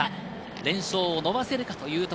連勝を伸ばせるか。